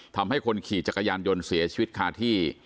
ทำให้คนขี่จักรยานยนต์เสียชีวิตคาที่